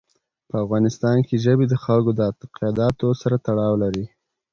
په افغانستان کې ژبې د خلکو اعتقاداتو سره تړاو لري.